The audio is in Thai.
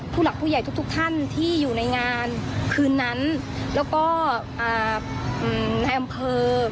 ผู้หลักผู้ใหญ่ทุกทุกท่านที่อยู่ในงานคืนนั้นแล้วก็ในอำเภอ